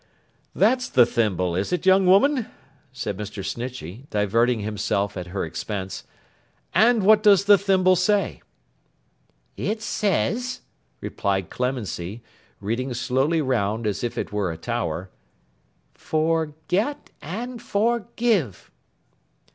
'That's the thimble, is it, young woman?' said Mr. Snitchey, diverting himself at her expense. 'And what does the thimble say?' 'It says,' replied Clemency, reading slowly round as if it were a tower, 'For get and For give.